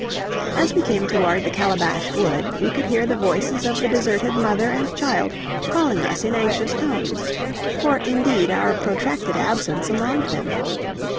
As we came toward the Calabash Wood, we could hear the voices of the deserted mother and child calling us in anxious tones; for indeed our protracted absence alarmed them.